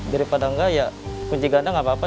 daripada enggak ya kunci ganda nggak apa apa